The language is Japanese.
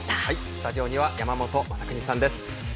スタジオには山本昌邦さんです。